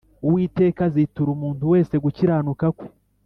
Uwiteka azitura umuntu wese gukiranuka kwe